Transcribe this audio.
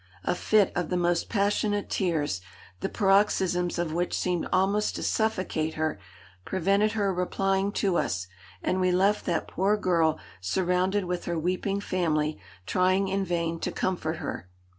A fit of the most passionate tears, the paroxysms of which seemed almost to suffocate her, prevented her replying to us; and we left that poor girl surrounded with her weeping family, trying in vain to comfort her.